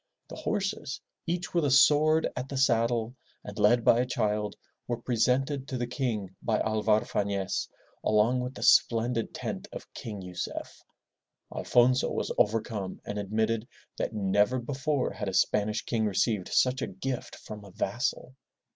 The horses, each with a sword at the saddle and led by a child, were presented to the King by Alvar Fafiez along with the splendid tent of King Yucef. Alfonso was overcome and admitted that never before had a Spanish king received such a gift from a vassal.